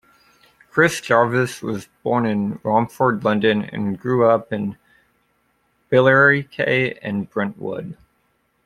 Chris Jarvis was born in Romford, London, and grew up in Billericay and Brentwood.